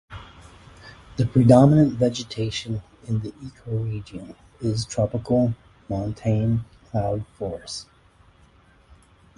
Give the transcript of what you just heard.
The predominant vegetation in the ecoregion is tropical montane cloud forest.